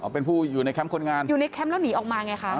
เป็นผู้อยู่ในแคมป์คนงานอยู่ในแคมป์แล้วหนีออกมาไงคะ